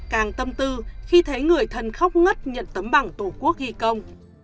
càng tâm tư khi thấy người thân khóc ngất nhận tấm bằng tổ quốc ghi công